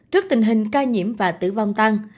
trước tình hình ca nhiễm và tử vong tăng